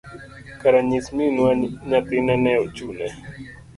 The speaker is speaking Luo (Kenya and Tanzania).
kara nyis Minwa, nyathine ne ochune.